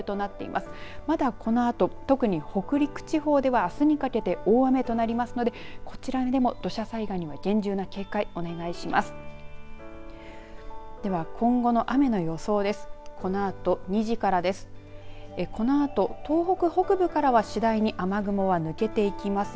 まだ、このあと特に北陸地方ではあすにかけて大雨となりますのでこちらでも、土砂災害は厳重な警戒、お願いしますでは、今後の雨の予想です。